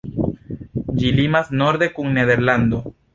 Ĝi limas norde kun Nederlando.